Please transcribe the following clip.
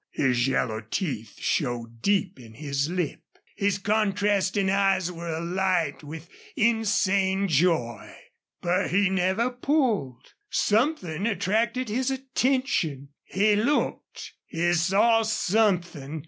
His yellow teeth showed deep in his lip. His contrasting eyes were alight with insane joy. But he never pulled. Something attracted his attention. He looked. He saw something.